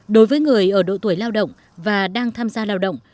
đối với người ở độ tuổi lao động và đang tham gia lao động